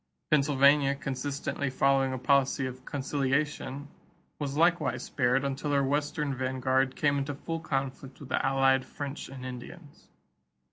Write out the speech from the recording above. Pennsylvania, consistently following a policy of conciliation, was likewise spared until her western vanguard came into full conflict with the allied French and Indians.